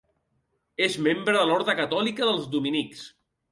És membre de l'orde catòlica dels dominics.